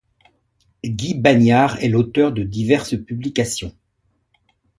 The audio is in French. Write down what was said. Guy Bagnard est l'auteur de diverses publications.